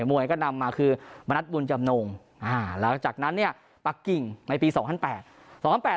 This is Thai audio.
มวยก็นำมาคือบรรทบุญจำนงค์แล้วจากนั้นเนี่ยปักกิ่งในปีสองพันแปด